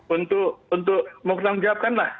untuk muktamar menjawabkan lah